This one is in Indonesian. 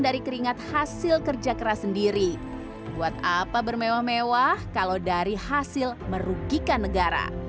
dari keringat hasil kerja keras sendiri buat apa bermewah mewah kalau dari hasil merugikan negara